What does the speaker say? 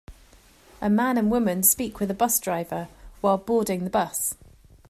A man and woman speak with a bus driver while boarding the bus.